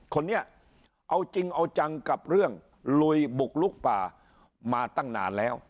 คนนี้เอาจริงเอาจังกับเรื่องลุยบุกลุกป่ามาตั้งนานแล้ว